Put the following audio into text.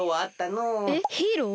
えっヒーロー？